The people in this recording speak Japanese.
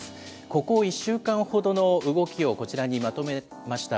ここ１週間ほどの動きをこちらにまとめました。